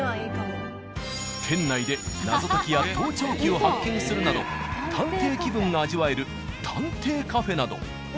店内で謎解きや盗聴器を発見するなど探偵気分が味わえる探偵カフェなど。